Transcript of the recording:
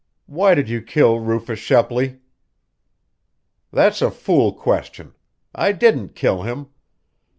"Why did you kill Rufus Shepley?" "That's a fool question. I didn't kill him.